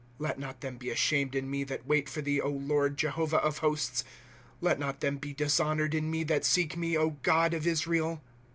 ^ Let not them be ashamed in me, that wait for thee, Lord, Jehovah of hosts. Let not them he dishonored in me, that seek thee, God of Israel. V. i, 3d member.